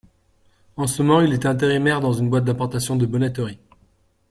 En ce moment, il était intérimaire dans une boîte d’importation de bonneterie.